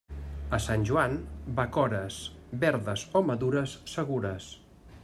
A sant Joan, bacores, verdes o madures, segures.